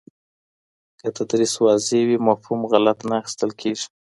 که تدریس واضح وي، مفهوم غلط نه اخیستل کېږي.